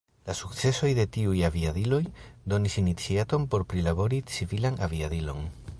La sukcesoj de tiuj aviadiloj donis iniciaton por prilabori civilan aviadilon.